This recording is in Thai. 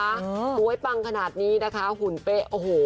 สวยปังขนาดนี้นะคะหุ่นเป๊ะโอ้โห